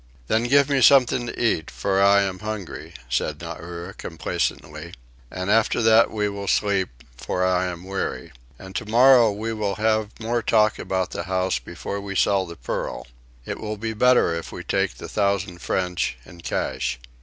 "Then give me something to eat, for I am hungry," said Nauri, complacently. "And after that we will sleep, for I am weary. And tomorrow we will have more talk about the house before we sell the pearl. It will be better if we take the thousand French in cash.